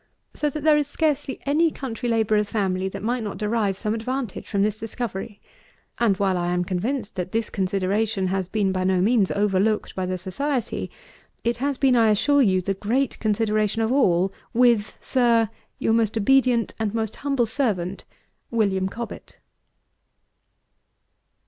So that there is scarcely any country labourer's family that might not derive some advantage from this discovery; and, while I am convinced that this consideration has been by no means over looked by the Society, it has been, I assure you, the great consideration of all with, Sir, your most obedient and most humble Servant, WM. COBBETT.